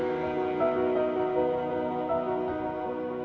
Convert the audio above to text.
aku merasa aku yang salah